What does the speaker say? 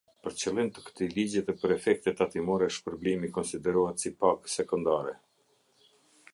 Për qëllim të këtij ligji dhe për efekte tatimore, shpërblimi konsiderohet si pagë sekondare.